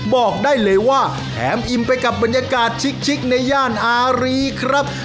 บอกได้เลยว่าแถมอิ่มไปกับบรรยากาศชิคในย่านอารีครับ